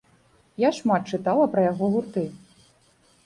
Я шмат чытала пра яго гурты.